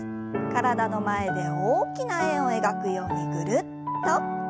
体の前で大きな円を描くようにぐるっと。